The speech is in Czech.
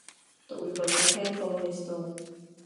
To už byl také komunistou.